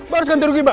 barus ganti rugi mbak